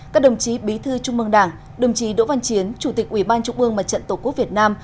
các đồng chí bí thư trung mương đảng đồng chí đỗ văn chiến chủ tịch ủy ban trung ương mặt trận tổ quốc việt nam